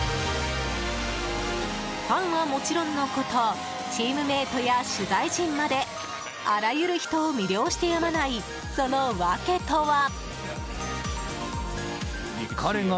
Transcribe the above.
ファンはもちろんのことチームメートや取材陣まであらゆる人を魅了してやまないその訳とは？